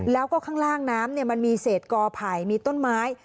แล้วก็ข้างล่างน้ำมันมีเศษกอไผ่มีต้นไม้